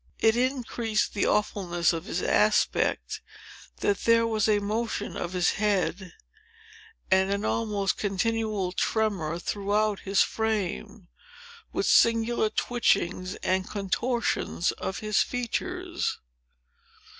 It increased the awfulness of his aspect that there was a motion of his head, and an almost continual tremor throughout his frame, with singular twitchings and contortions of his features.